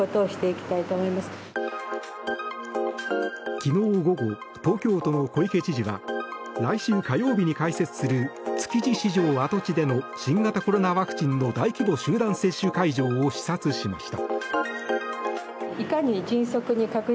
昨日午後、東京都の小池知事は来週火曜日に開設する築地市場跡地での新型コロナワクチンの大規模集団接種会場を視察しました。